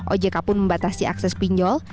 ojk pun membatasi akses pinjol